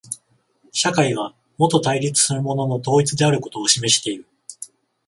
社会がもと対立するものの統一であることを示している。